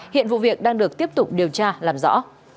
hiện vụ việc đang được tiếp tục điều tra làm rõ